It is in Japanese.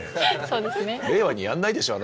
令和にやんないでしょ